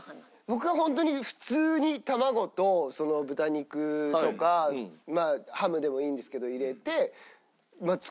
僕は本当に普通に卵と豚肉とかまあハムでもいいんですけど入れて作っちゃう。